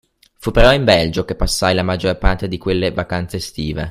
Fu però in Belgio che passai la maggior parte di quelle vacanze estive.